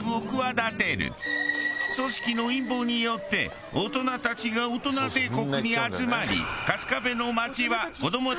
組織の陰謀によって大人たちがオトナ帝国に集まり。